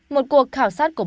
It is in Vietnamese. một cuộc khảo sát của bộ luật